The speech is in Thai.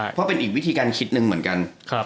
เพราะเป็นอีกวิธีการคิดหนึ่งเหมือนกัน